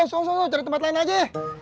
sosok cari tempat lain aja